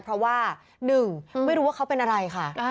เพราะว่า๑ไม่รู้ว่าเขาเป็นอะไรค่ะ